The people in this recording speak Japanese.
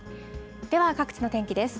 では各地の天気です。